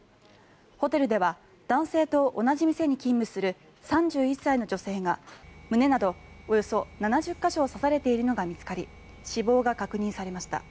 ホテルでは男性と同じ店に勤務する３１歳の女性が胸などおよそ７０か所を刺されているのが見つかり死亡が確認されました。